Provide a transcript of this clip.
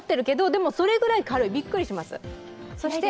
でもそれぐらい軽い、びっくりしました。